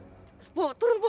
eh bu turun bu